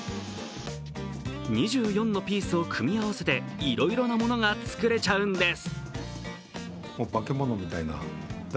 ２４のピースを組み合わせていろいろなものが作れちゃうんです。